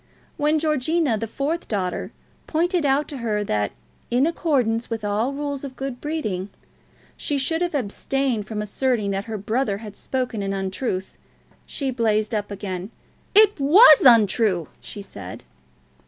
When Georgina, the fourth daughter, pointed out to her that, in accordance with all rules of good breeding, she should have abstained from asserting that her brother had spoken an untruth, she blazed up again. "It was untrue," she said.